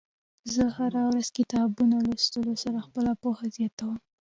زه هره ورځ د کتابونو لوستلو سره خپله پوهه زياتوم.